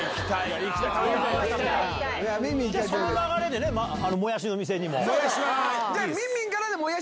うわぁ、その流れでね、あのもやしの店にも。